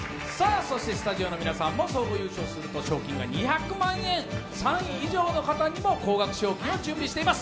スタジオの皆さんも総合優勝すると賞金が２００万円、３位以上の方にも高額賞金を準備しています